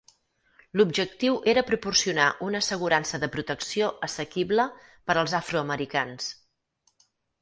L'objectiu era proporcionar una assegurança de protecció assequible per als afro-americans.